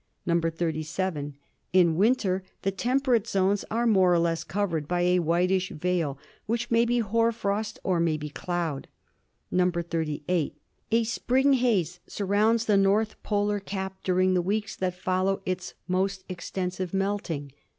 "(37) In winter the temperate zones are more or less covered by a whitish veil, which may be hoar frost or may be cloud. "(38) A spring haze surrounds the north polar cap dur ing the weeks that follow its most extensive melting.